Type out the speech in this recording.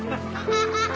ハハハハ！